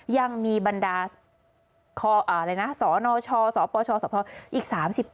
ยังมีบรรดาศนชศปชศธอีก๓๙